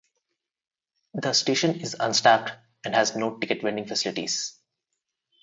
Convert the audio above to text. The station is unstaffed, and has no ticket vending facilities.